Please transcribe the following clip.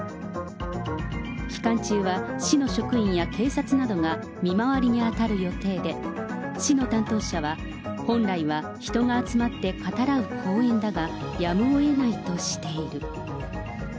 期間中は、市の職員や警察などが見回りに当たる予定で、市の担当者は、本来は人が集まって語らう公園だが、やむをえないとしている。